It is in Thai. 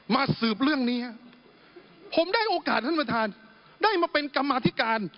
สืบเรื่องนี้ฮะผมได้โอกาสท่านประธานได้มาเป็นกรรมาธิการ